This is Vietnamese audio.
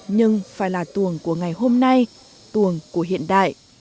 nhưng phải là tuồng của ngày hôm nay tuồng của hiện đại